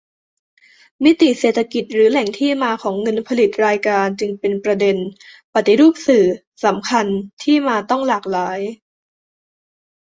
มิติเศรษฐกิจหรือแหล่งที่มาของเงินผลิตรายการจึงเป็นประเด็น ปฏิรูปสื่อ สำคัญ ที่มาต้องหลากหลาย